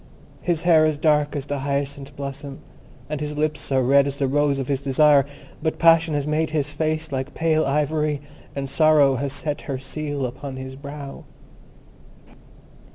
His hair is dark as the hyacinth blossom, and his lips are red as the rose of his desire; but passion has made his face like pale ivory, and sorrow has set her seal upon his brow."